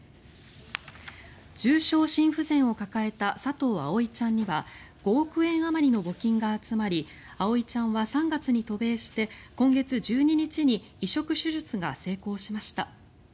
重症心不全を抱えた佐藤葵ちゃんには５億円あまりの募金が集まり葵ちゃんは３月に渡米して今月１２日に移植手術が成功しました。